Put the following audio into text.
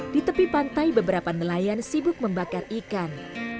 di tepi pantai beberapa nelayan sibuk membakar ikan